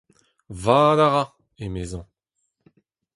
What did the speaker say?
Vad a ra ! emezañ.